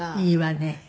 いいわね。